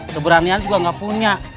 keberanian juga nggak punya